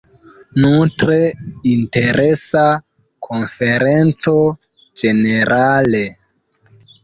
Nu, tre interesa konferenco ĝenerale.